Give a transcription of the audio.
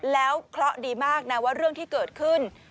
แล้วเคราะห์ดีมากนะว่าเรื่องที่เกิดขึ้น